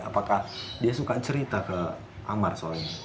apakah dia suka cerita ke amar soalnya